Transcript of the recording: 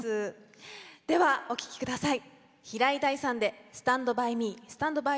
では、お聴きください。